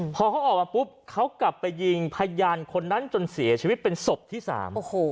พอเขาออกมาปุ๊บเขากลับไปยิงพยานคนนั้นจนเสียชีวิตเป็นศพที่สามโอ้โห